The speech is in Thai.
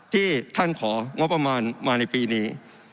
ที่ท่านของงบประมาณมาในปีนี้